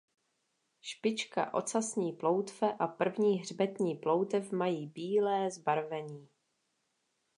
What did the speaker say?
Špička ocasní ploutve a první hřbetní ploutev mají bílé zbarvení.